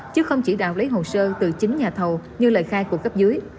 chứ không chỉ đạo lấy hồ sơ từ chính nhà thầu như lời khai của cấp dưới